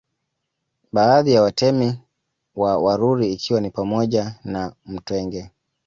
Baadhi ya Watemi wa Waruri ikiwa ni pamoja na Mtwenge